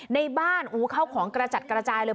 ในบ้านเข้าของกระจัดกระจายเลย